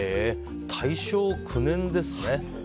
大正９年ですね。